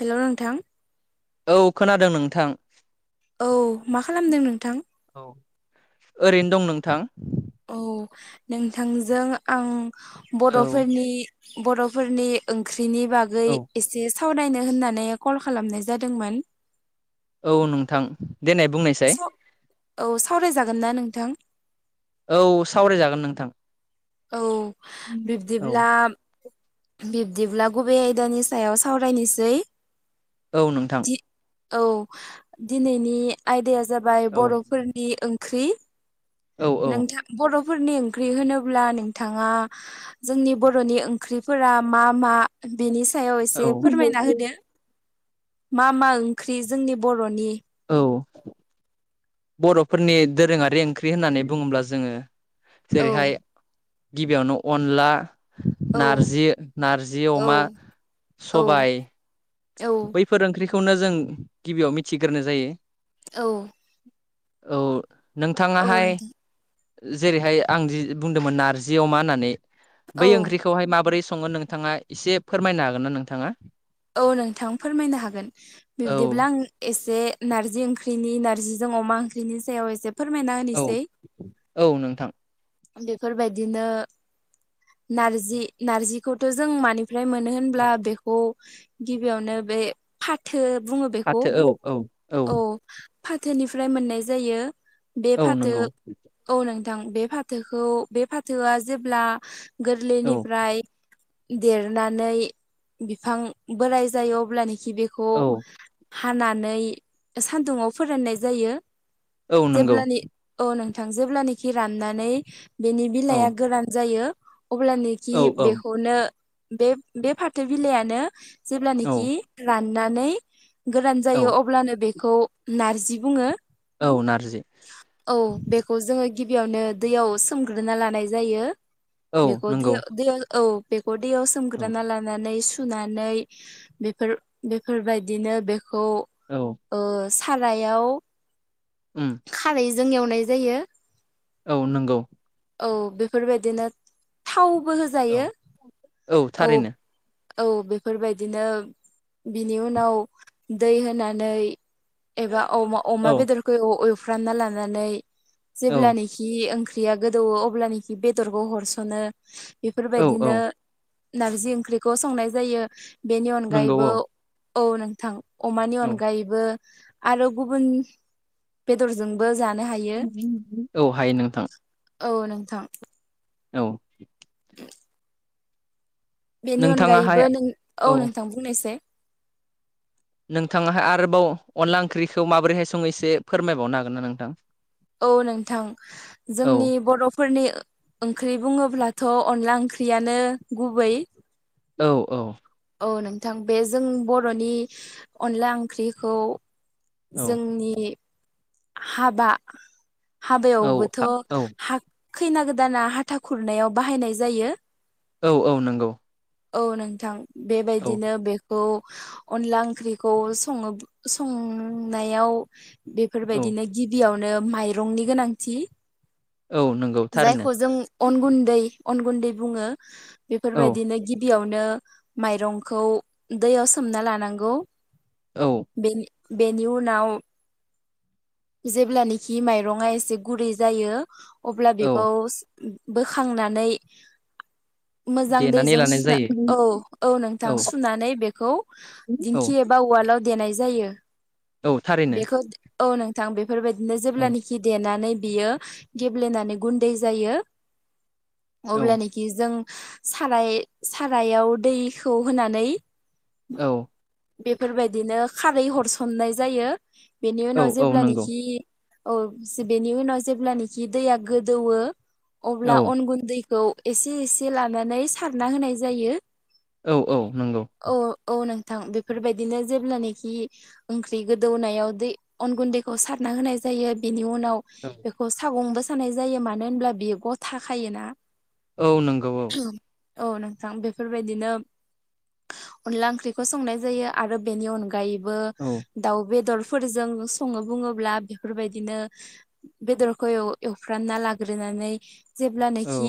Hello नोंथां। औ खोनादों नोंथां। औ मा खालामदों नोंथां औ ओरैनो दं नोंथां। औ नोंथांजों आं औ बर'फोरनि बर'फोरनि ओंख्रिनि बागै औ एसे सावरायनो होननानै कल खालामनाय जादोंमोन। औ नोंथां देनाइ बुंनायसाइ। औ सावरायजागोन ना नोंथां? औ सावरायजागोन नोंथां। औ औ बिब्दिब्ला बिब्दिब्ला गुबै आयदानि सायाव सावरायनोसै। औ नोंथां। औ दिनैनि आयदाया जाबाय औ बर'फोरनि ओंख्रि औ औ नोंथां बर' फोरनि ओंख्रि होनोब्ला नोंथाङा जोंनि बर'नि ओंख्रिफोरा मा मा बेनि सायाव औ एसे फोरमायना होदो मा मा ओंख्रि जोंनि बर'नि औ बर'फोरनि दोरोङारि ओंख्रि होननानै बुङोब्ला जोङो औ जेरैहाय गिबियावनो अनला औ नारजि नारजि औ अमा औ सबाय बैफोर ओंख्रिखौनो जों गिबियाव मिथिग्रोनो जायो। औ औ औ नोंथाङाहाय नोंथां जेरैहाय आं बुंदोंमोन नारजि अमा होननानै बै औ ओंख्रिखौहाय माबोरै सङो नोंथाङा एसे फोरमायनो हागोन ना नोंथाङा? औ नोंथां फोरमायनो हागोन औ बिब्दिब्ला आं एसे नारजि ओंख्रिनि नारजिजों अमा ओंख्रिनि सायाव एसे फोरमायना औ होनोसै औ नोंथां बेफोरबायदिनो नारजि नारजिखौथ जों मानिफ्राय मोनो होनब्ला बेखौ गिबियावनो बे फाथो बुङो बेखौ फाथो औ औ औ फाथोनिफ्राय मोननाय जायो बे औ फाथो नंगौ औ नों बे फाथोखौ बे फाथोआ जेब्ला औ गोरलैनिफ्राय देरनानै बिफां बोराय जायो अब्लानोखि बेखौ औ हानानै सानदुाव फोररायनाय जायो औ नंगौ जेब्लानि औ नों जेब्लानाखि राननानै बेनि औ बिलाइआ गोरान जायो अब्लानोखि औ औ बेखौनो बे बे फाथो बिलाइानो औ जेब्लानखि राननानै गोरान जायो औ अब्लानो बे नारजि बुङो औ नारजि औ बेखौ जोङो गिबियावनो दैयाव सोमग्रोना लानाय जायो औ बेखौ दै नंगौ दैयाव औ बे खौ दैयाव सोमग्रा औ लानानै सुनानै बेफोर बेफोरबायदिनो बे खौ औ ओ सारायाव ओम जोंनि एवनाय जायो औ नंगौ औ बेफोरबायदिनो थावबो होजायो औ औ औ बेफोरबायदिनो बिनि उनाव दै होनानै एबा औ औ अमा बेदरखौ एवफ्रामना लानानै जेब्लानोखि ओं फ्रिया गोदौवो अब्लानोखि बेदरखौ हरसनो औ औ बेफोरबायदिनो नारजि ओंख्रिखौ संनाय जायो बेनि नंगौ अनगायैबो औ औ नोंथां अमानि औ अनगायैबो आरो गुबुन बेदरजोंबो जानो हायो औ हायो नोंथां औ नोंथां औ बेनि नोंथाङाहाय अनगायैबो नों औ नोंथां बुंनोसै नोंथाङाहाय आरोबाव अनला ओंख्रिखौ माबोरैहाय संयो फोरमायबावनो हागोन ना नोंथां औ नोंथां औ जोंनि बरफोरनि ओंख्रि बुङोब्लाथ अनला ओंख्रियानो गुबै औ औ औ नोंथां बे जों बरनि अनला ओंख्रिखौ औ जोंनि हाबा औ हाबायावबोथ औ खैना गोदाना हाथा खुरनायाव बाहायनाय जायो औ औ नंगौ औ नोंथां औ बेबायदिनो बे अनला ओंख्रिखौ संनायाव औ बेफोरबायदिनो गिबियावनो माइरंनि गोनांथि औ नंगौ थारैनो जायखौ जों अन गुन्दै अन गुन्दै बुङो औ बेफोरबायदिनो गिबियावनो माइरंखौ दैयाव सोमना लांगौ औ बेनि उनाव जेब्लानाखि माइरङा एसे गुरै जायो अब्ला बेखौ औ बोखांनानै मोजां देनानै दैजों लानाय सुना जायो औ औ नोंथां औ सुनानै बेखौ औ दिंखिया एबा उवालाव देनाय जायो औ थारैनो बेखौ औ नोंथां बेफोरबायदिनो औ जेब्लानाखि देनानै बियो गेब्लेनानै गुन्दै जायो औ अब्लानोखि जों साराय सारायाव दैखौ होनानै औ बेफोरबायदिनो खारै हरसननाय जायो बेनि औ उनाव औ नंगौ जेब्लानाखि। औ बेनि उनाव जेब्लानखि दैया गोदौवो अब्ला औ अन गुनन्दै खौ एसे एसे लानानै सारना होनाय जायो। औ औ नंगौ। औ औ नोंथां बेफोरबायदिनो जेब्लानखि ओंख्रि गोदौनायाव दै अन गुन्दै। खौ सारना होनाय जायो बेनि उनाव औ बेखौ सागंबो। सानाय जायो मानो होनब्ला बेयो गथा खायोना। औ नंगौ औ। औ नोंथां बेफोरबायदिनो अनला ओंख्रिखौ संनाय जायो आरो बेनि अनगा। गायैबो औ दाउ बेदरफोजों सङोबा बुङोब्ला बेफोरबायदिनो बेदरखौ एवफ्रानना लाग्रोनानै। जेब्लानोखि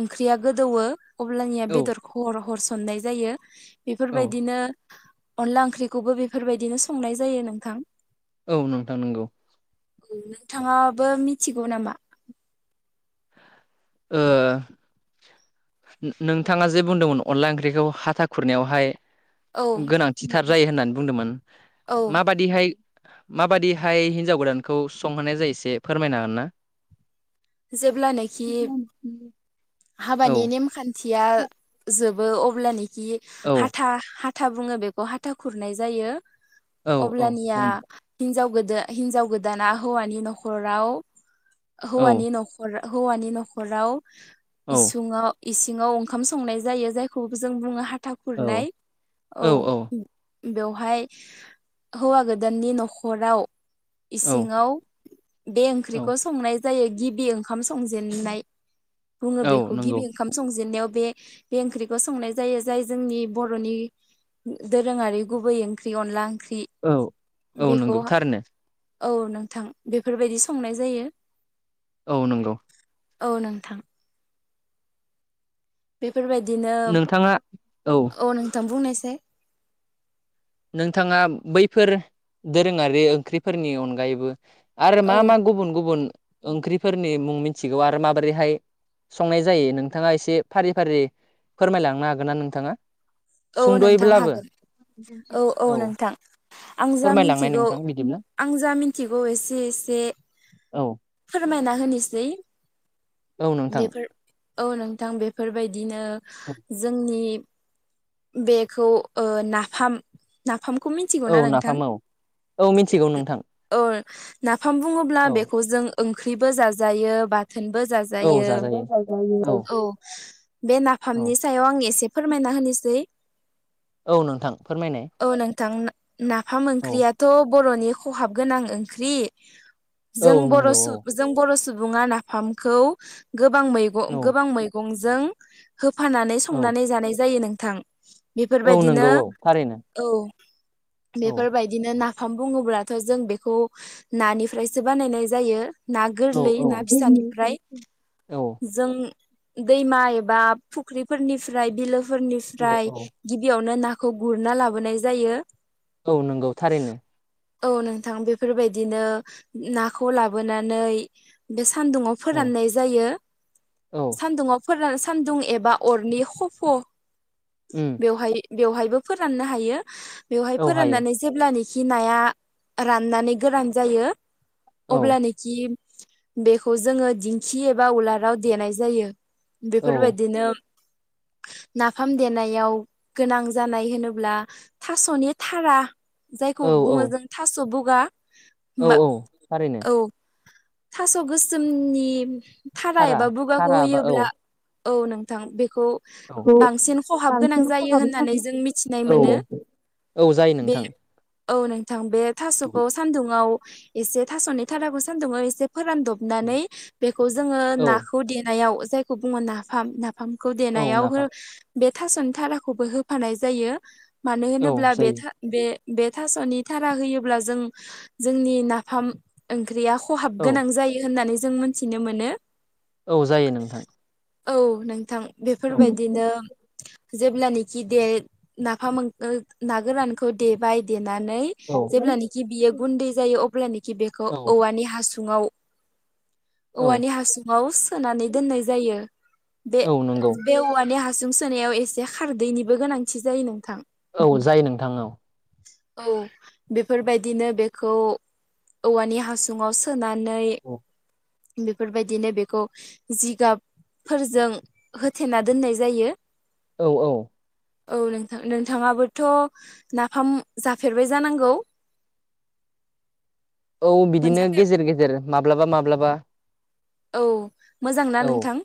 ओंख्रिया गोदौवो अब्लानिया औ बेदरखौ हर हरसि हरनाय जायो औ बेफोरबायदिनो। अनला ओंख्रिखौबो बेफोरबायदिनो संनाय जायो नोंथां। औ नोंथां नंगौ। औ नोंथाङाबो मिथिगौ नामा। ओ-नोंथाङा जे बुंदोंमोन अनला ओंख्रिखौ हाथा खुरनायावहाय। औ गोनांथिथार जायो होननानै बुंदोंमोन औ माबादिहाय। माबादिहाय हिन्जाव गोदानखौ संहोनाय जायो एसे फोरमायनो हागोन ना? जेब्लानोखि हाबानि औ नेमखान्थिया जोब बो अब्लानोखि औ हाथा हाथा बुङो बेखौ हाथा खुरनाय जायो। औ औ अब्लानिया बुं हिनजाव गोदा हिनजाव गोदाना हौवानि नखराव औ हौवानि। न'खर हौवानि नखराव औ औ इसुङाव। इसिङाव ओंखाम संनाय जायो जायखौ जों बुङो हाथा औ खुरनाय औ। बेवहाय हौवा गोदाननि नखराव। औ इसिङाव बे औ ओंख्रिखौ संनाय जायो। गिबि ओंखाम संजेेननाय बुङो औ बेखौ नंगौ गिबि ओंखाम संजेनायाव बे बे ओंख्रिखौ संनाय जायो जाय जोंनि बरनि दोरोङारि गुबै ओंख्रि अनदला। औ औ नंगौ थारनो। औ नोंथां बेफोरबायदि संनाय जायो। औ नंगौ औ नोंथां बेफोरबायदिनो नोंथाङा औ नोंथां बुंनायसै? नोंथाङा बैफोर दोरोङारि ओंख्रिफोरनि अनगायैबो। आरो औ मा मा गुबुन गुबुन ओंख्रिफोरनि मुं मिथिगौ आरो माबोरैहाय। संनाय जायो नोंथाङा एसे फारि फारि फोरमायलांनो हागोन नना नोंथाङा? औ नोंथां सुंदयैब्लाबो हागोन औ आं जा फोरमायलांनाय मिथिगौ नोंथां बिदि। आं जा मिन्थिगौ एसे एसे। औ फोरमायना होनोसै। औ नोंथां। बेफोर औ नोंथां बेफोरबायदिनो जोंनि बेखौ ओ नाफाम नाफामखौ मिथिगौ औ ना नोंथां। नाफाम औ औ मिथिगौ नोंथां औ नाफाम बुङोब्ला औ बेखौ जों। ओंख्रिबो जाजायो बाथोनबो जाजायो। औ बे औ नाफामनि सायाव आं एसे फोरमायना होनोसै औ नोंथां फोरमायनाय औ नोंथां नाफाम औ ओंख्रियाथ' बर'नि खहाब गोनां ओंख्रि औ जों बर' नंगौ औ जों बर' सुबुङा नाफामखौ गोबां मैगं औ गोबां मैगंजों होफानानै औ संनानै जानाय जायो नोंथां औ नंगौ बेफोरबायदिनो औ थारैनो औ औ बेफोरबायदिनो नाफाम बुङोब्लाथ' जों बेखौ नानिफ्रायसो बानायनाय जायो। ना औ गोरलै औ ना फिसानिफ्राय औ जों दैमा एबा फुख्रिफोरनिफ्राय औ बिलोफोरनिफ्राय औ गिबियावनो नाखौ गुरना लाबोनाय जायो। औ नंगौ थारैनो। औ नोंथां बेफोरबायदिनो नाखौ लाबोनानै बे सान्दुुंाव औ फोराननाय जायो औ सान्दुाव फोरान सान्दुं एबा अरनि खफ' उम बेवहाय बेवहायबो फोराननो हायो बेवहाय औ हायो फोराननानै जेब्लानिख खि नाया राननानै गोरान जायो औ अब्लानोखि बेखौ जोङो दिंखि एबा उलाराव देनाय जायो। औ बेफोरबायदिनो नाफाम देनायाव गोनां जानाय होनोब्ला थास'नि थारा। जायखौ औ बुङो जों थास' बुगा औ औ थारैनो। औ थास' गोसोमनि थारा एबा बुगाखौ थारा बा औ होयोब्ला औ नोंथां बेखौ औ बांसिन हाब गोनां बांसिन जायो होननानै जों मिथिनाय औ मोन औ जायो बे नोंथां औ नोंथां बे थास'खौ सान्दुुंआव एसे थास'नि थाराखौ सान्दुुङाव एसे फोरानदबनानै बेखौ जोङो औ नाखौ देनायाव जायखौ बुङो नाफाम ना? फामखौ औ देनायाव हो नाफाम बे थास'नि थाखौबो होफानाय जायो मानो औ होनोब्ला बे जायो बे बे थास'नि थारा होयोब्ला जों जोंनि नाफाम ओंख्रिया खहाब औ गोनां जायो होन्नानै जों मोनथिनो मोनो। औ जायो नोंथां। औ नोंथां औ बेफोरबायदिनो। जेब्लानखि दे नाफामो ना गोरानखौ दे बाय दे नानै औ जेब्लानखि बियो गुन्दै जायो अब्लानोखि बेखौ औ औवानि हासुङाव औ औवानि हासुङाव सोनानै दोननाय जायो बे औ नंगौ बे औवानि हास सिायसुं सोनायाव एसे खारदैनिबो गोनांथि जायो नोंथां औ जायो नोंथां औ औ बेफोरबायदिनो बेखौ औवानि हासुङाव सोनानै नै बेफोरबायदिनो बेखौ जिगाबफोरजों होथेना दोननाय जायो। औ औ औ नोंथां नोंथाङाबोथ' नाफाम जाफेरबाय जानांगौ। [inaudible] औ बिदिनो मोनजाफेर गेजेर गेजेर माब्लाबा माब्लाबा औ मोजांना औ नोंथां?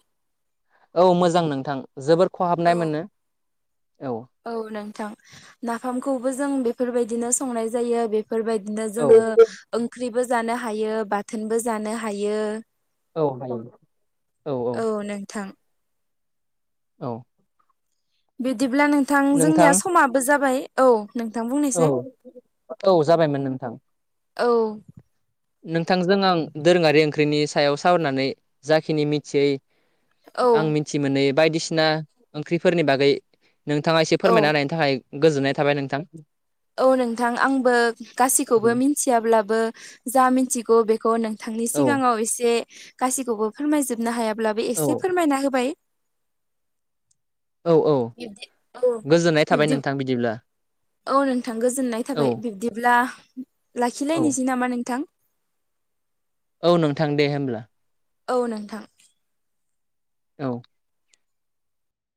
औ मोजां नोंथां जोबोर औ खहाबनाय मोनो। औ नोंथां नाफामखौबो जों बेफोरबायदिनो संनाय जायो। बेफोरबायदिनो औ जोङो ओंख्रिबो जानो हायो बाथोनबो जानो हायो। औ नंगौ। औ नोंथां। औ बिदिब्ला नोंथां जोंनिया समाबो जाबाय औ। नोंथां औ बुंनायसाय औ जाबायमोन नोंथां। औ नोंथांजों आं दोरोङारि ओंख्रिनि सायाव सावरायनानै जाखिनि मिथियै। औ आं मिथि मोनो बायदिसिना ओंख्रिफोरनि बागै। नोंथाङा एसे फोरमायना होनायनि थाखाय गोजोननाय थाबाय नोंथां। औ नोंथां आंबो गासिखौबो मिथियाब्लाबो जा मिथिगौ बे। बे खौ नोंथांनि औ सिगाङाव एसे गाैखौबो फोरमायजोबनो हायाब्लाबो औ एसे फोरमायना होबाय। औ औ बिब्दि औ गोजोननाय थाबाय बिब्दि नोंथां बिदिब्ला। औ नोंथां गोजोननाय औ थाबाय बिब्दिब्ला लाखिलायनोसै नामा नोंथां? औ नोंथां दे होमब्ला। औ नोंथां। औ